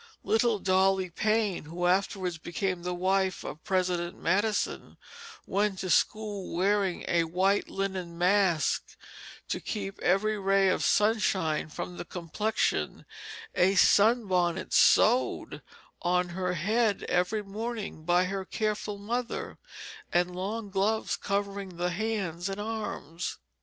Little Dolly Payne, who afterwards became the wife of President Madison, went to school wearing "a white linen mask to keep every ray of sunshine from the complexion, a sunbonnet sewed on her head every morning by her careful mother, and long gloves covering the hands and arms."